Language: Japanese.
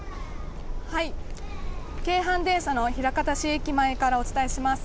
京阪電車の枚方市駅前からお伝えします。